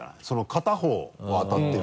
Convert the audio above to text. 片方は当たってる。